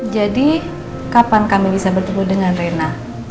kapan kami bisa bertemu dengan rena